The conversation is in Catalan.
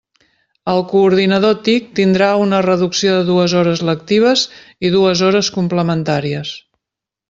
El coordinador TIC tindrà una reducció de dues hores lectives i dues hores complementàries.